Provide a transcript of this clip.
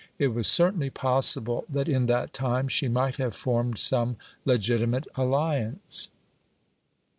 It was certainly possible that in that time she might have formed some legitimate alliance.